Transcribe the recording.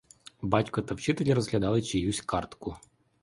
Батько та вчитель розглядали чиюсь картку.